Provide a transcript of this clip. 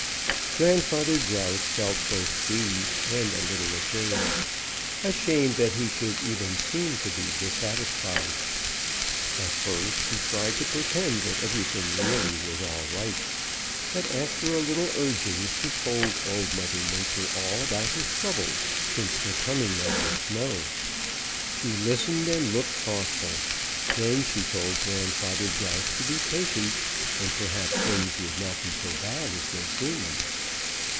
Grandfather Grouse felt both pleased and a little ashamed ashamed that he should even seem to be dissatisfied. At first he tried to pretend that everything really was all right, but after a little urging he told Old Mother Nature all about his troubles since the coming of the snow. She listened and looked thoughtful. Then she told Grandfather Grouse to be patient and perhaps things would not be so bad as they seemed.